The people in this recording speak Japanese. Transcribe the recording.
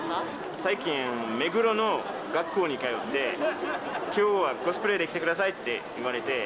最近、目黒の学校に通って、きょうはコスプレで来てくださいって言われて。